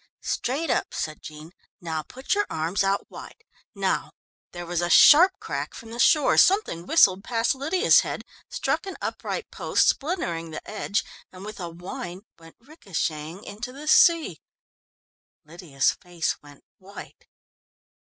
"Straight up," said Jean. "Now put both your arms out wide. Now " There was a sharp crack from the shore; something whistled past Lydia's head, struck an upright post, splintering the edge, and with a whine went ricochetting into the sea. Lydia's face went white.